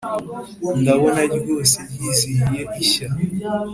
ndabona ryose ryizihiye ishya »